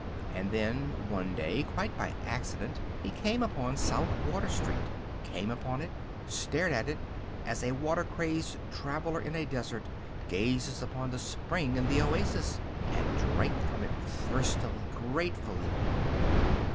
And then, one day, quite by accident, he came upon South Water Street. Came upon it, stared at it as a water crazed traveler in a desert gazes upon the spring in the oasis, and drank from it, thirstily, gratefully.